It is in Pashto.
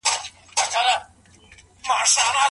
علماوو د پادشاه له وېرې خپل عقاید پټ ساتل.